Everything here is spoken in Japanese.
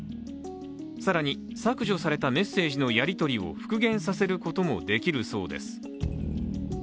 更に削除されたメッセージのやりとりを復元させることもできるそうです。